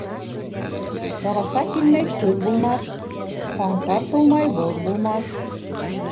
Ҡараса килмәй көҙ булмаҫ, ҡаңтар тыумай боҙ булмаҫ.